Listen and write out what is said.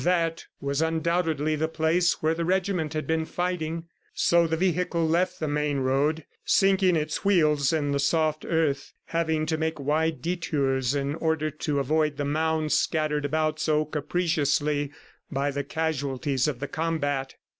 That was undoubtedly the place where the regiment had been fighting. So the vehicle left the main road, sinking its wheels in the soft earth, having to make wide detours in order to avoid the mounds scattered about so capriciously by the casualties of the combat.